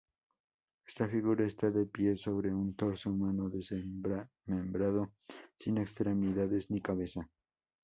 Esta figura está de pie sobre un torso humano desmembrado, sin extremidades ni cabeza.